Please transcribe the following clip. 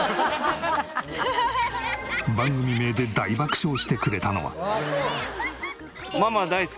番組名で大爆笑してくれたのは。